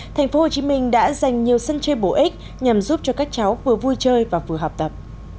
thành phố hồ chí minh đã dành nhiều sân chơi bổ ích nhằm giúp cho các cháu vừa vui chơi và vừa học tập